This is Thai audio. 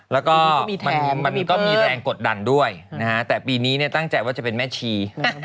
แล้วก็มันก็มีแรงกดดันด้วยนะฮะแต่ปีนี้ตั้งใจว่าจะเป็นแม่ชี